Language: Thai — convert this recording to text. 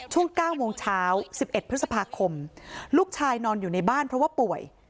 ช่วง๙โมงเช้า๑๑พฤษภาคมลูกชายนอนอยู่ในบ้านเพราะว่าป่วย